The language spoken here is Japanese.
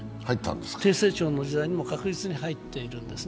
低成長の時代に確実に入っているんです。